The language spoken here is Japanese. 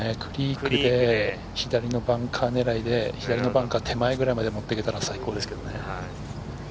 クリークで左のバンカー狙いで、バンカー手前まで持っていけたら最高ですけどね。